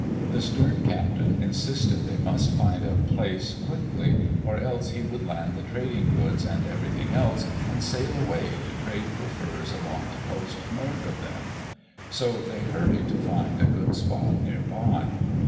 The stern captain insisted they must find a place quickly or else he would land the trading goods and everything else, and sail away to trade for furs along the coast north of them. So they hurried to find a good spot near by.